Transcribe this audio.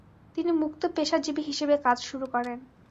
তিনি মুক্তপেশাজীবী হিসেবে কাজ শুরু করেন।